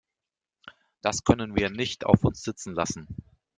Das können wir nicht auf uns sitzen lassen!